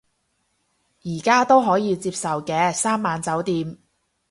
而家都可以接受嘅，三晚酒店